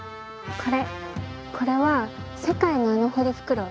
これこれは「世界のアナホリフクロウ」。